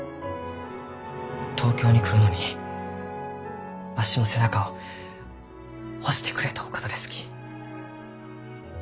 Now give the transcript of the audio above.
東京に来るのにわしの背中を押してくれたお方ですき。